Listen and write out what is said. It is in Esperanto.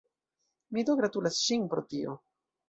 Mi do gratulas ŝin pro tio!